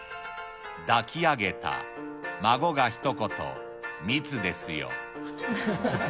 抱き上げた孫が一言密ですよ。